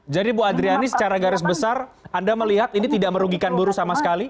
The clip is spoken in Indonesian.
jadi bu adriani secara garis besar anda melihat ini tidak merugikan buruh sama sekali